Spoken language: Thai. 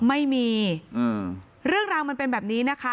ไม่มีเรื่องราวมันเป็นแบบนี้นะคะ